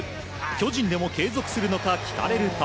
巨人でも継続するのか聞かれると。